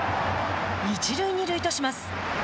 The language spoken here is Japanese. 一塁二塁とします。